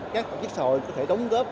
các tổ chức xã hội có thể đóng góp